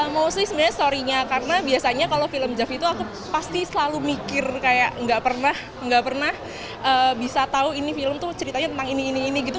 mau sih sebenarnya story nya karena biasanya kalau film jav itu aku pasti selalu mikir kayak nggak pernah bisa tahu ini film tuh ceritanya tentang ini ini ini gitu